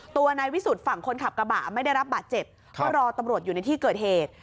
ตัวนายวิสุทธิ์ฝั่งคนขับกระบะไม่ได้รับบาดเจ็บก็รอตำรวจอยู่ในที่เกิดเหตุ